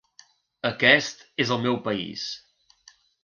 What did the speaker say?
Aquest és el meu país.